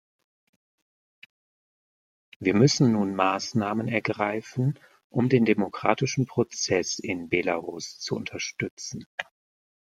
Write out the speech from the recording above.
Wir müssen nun Maßnahmen ergreifen, um den demokratischen Prozess in Belarus zu unterstützen.